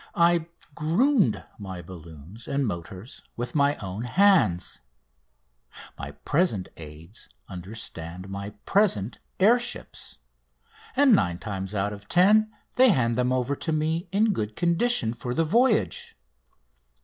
I "groomed" my balloons and motors with my own hands. My present aids understand my present air ships, and nine times out of ten they hand them over to me in good condition for the voyage.